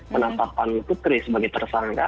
penetapan putri sebagai tersangka